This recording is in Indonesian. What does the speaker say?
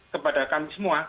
kepada kami semua